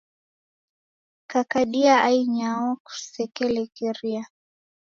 Kakadia ainyao kusekelekeria.